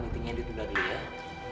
hantinya ditunda ke lidah